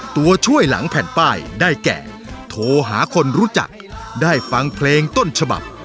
ตัวช่วยหลังแผ่นป้ายได้แก่โทรหาคนรู้จักได้ฟังเพลงต้นฉบับ